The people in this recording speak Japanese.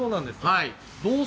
はい。